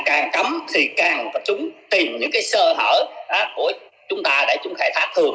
càng cấm thì càng phải chúng tìm những cái sơ hở của chúng ta để chúng khai thác thường